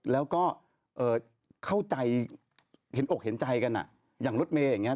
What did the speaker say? แล้วก็เข้าใจเห็นอกเห็นใจกันอย่างรถเมย์อย่างนี้